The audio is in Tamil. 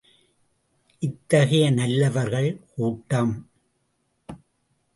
இத்தகைய நல்லவர்கள் கூட்டம்?